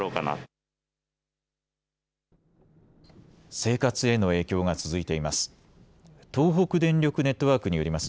生活への影響が続いています。